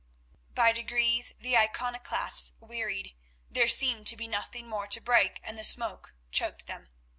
By degrees the iconoclasts wearied; there seemed to be nothing more to break, and the smoke choked them.